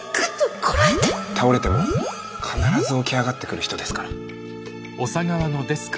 倒れても必ず起き上がってくる人ですから。